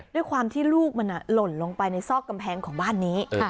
ด้วยความที่ลูกมันหล่นลงไปในซอกกำแพงของบ้านนี้